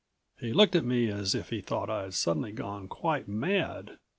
_" He looked at me as if he thought I'd gone suddenly quite mad.